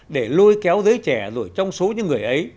để lôi kéo giới trẻ rồi trong số những người ấy